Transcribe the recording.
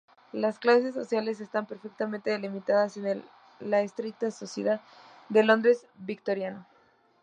Las clases sociales están perfectamente delimitadas en la estricta sociedad del Londres victoriano.